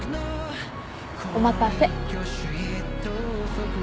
お待たせ。